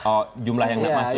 oh jumlah yang tidak masuk